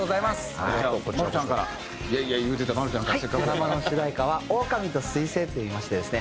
ドラマの主題歌は『オオカミと彗星』といいましてですね